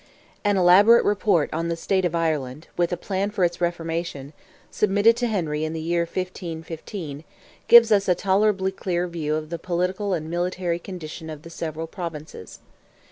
An elaborate report on "the State of Ireland," with "a plan for its Reformation"—submitted to Henry in the year 1515—gives us a tolerably clear view of the political and military condition of the several provinces.